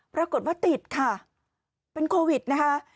ปรากฏว่าติดค่ะเป็นโควิดนะคะ